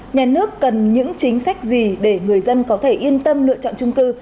nhà nước cần những chính sách gì để người dân có thể yên tâm lựa chọn trung cư